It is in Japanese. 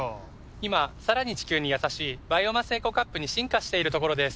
今さらに地球にやさしいバイオマスエコカップに進化しているところです。